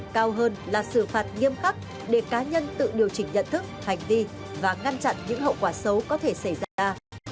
cao hơn là xử phạt nghiêm khắc để cá nhân tự điều chỉnh nhận thức hành vi và ngăn chặn những hậu quả xấu có thể xảy ra